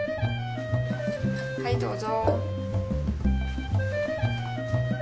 はいどうぞ。